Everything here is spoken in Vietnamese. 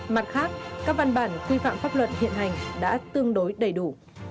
mặt khác các văn bản quy phạm pháp luật hiện hành đã tương đối đầy đủ